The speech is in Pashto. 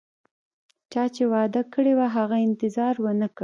چا چې وعده کړي وه، هغه انتظار ونه کړ